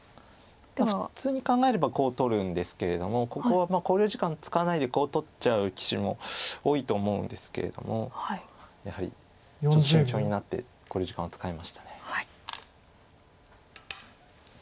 普通に考えればコウ取るんですけれどもここは考慮時間使わないでコウ取っちゃう棋士も多いと思うんですけれどもやはりちょっと慎重になって考慮時間を使いました。